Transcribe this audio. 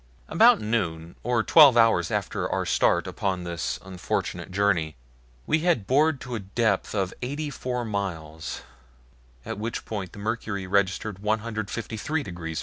About noon, or twelve hours after our start upon this unfortunate journey, we had bored to a depth of eighty four miles, at which point the mercury registered 153 degrees F.